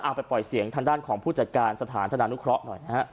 ไปปล่อยเสียงทางด้านของผู้จัดการสถานธนานุเคราะห์หน่อยนะฮะ